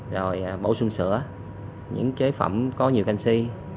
rồi bổ sung sữa những chế phẩm có nhiều canxi